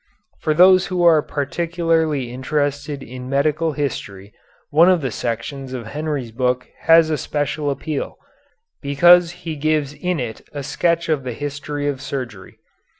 For those who are particularly interested in medical history one of the sections of Henry's book has a special appeal, because he gives in it a sketch of the history of surgery.